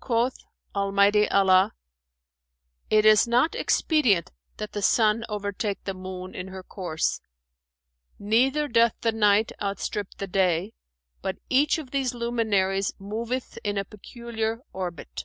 Quoth Almighty Allah, 'It is not expedient that the sun overtake the moon in her course; neither doth the night outstrip the day, but each of these luminaries moveth in a peculiar orbit.'"